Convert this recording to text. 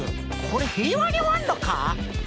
これ平和に終わんのか？